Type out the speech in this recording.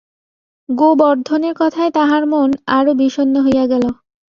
গোবর্ধনের কথায় তাহার মন আরও বিষন্ন হইয়া গেল।